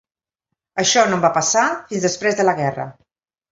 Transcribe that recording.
Això no em va passar fins després de la guerra.